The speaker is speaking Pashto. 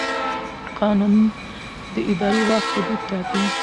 قانون د اداري واک حدود ټاکي.